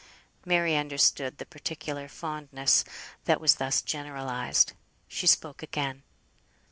Mary understood the particular fondness that was thus generalised. She spoke again.